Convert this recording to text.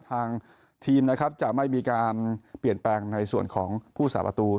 ทางทีมนะครับจะไม่มีการเปลี่ยนแปลงในส่วนของผู้สาประตู